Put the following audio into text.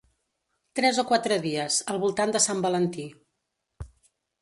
Tres o quatre dies, al voltant de Sant Valentí.